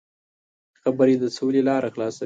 خبرې د سولې لاره خلاصوي.